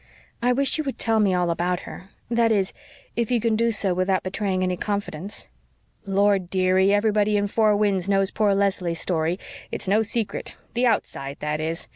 "I wish you would tell me all about her that is, if you can do so without betraying any confidence." "Lord, dearie, everybody in Four Winds knows poor Leslie's story. It's no secret the OUTSIDE, that is.